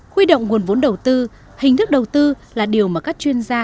huy động nguồn vốn đầu tư hình thức đầu tư là điều mà các chuyên gia